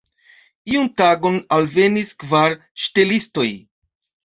Iun tagon alvenis kvar ŝtelistoj.